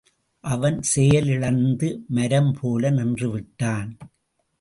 அவன் செயலிழந்து மரம் போல நின்று விட்டான்.